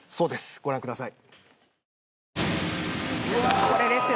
ご覧ください。